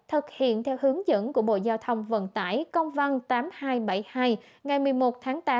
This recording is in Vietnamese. thực hiện theo hướng dẫn của bộ giao thông vận tải công văn tám nghìn hai trăm bảy mươi hai ngày một mươi một tháng tám